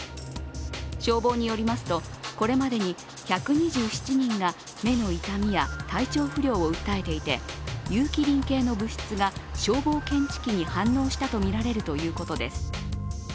消防によりますとこれまでに１２７人が目の痛みや体調不良を訴えていて有機リン系の物質が消防検知器に反応したとみられるということです。